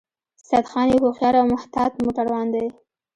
سیدخان یو هوښیار او محتاط موټروان دی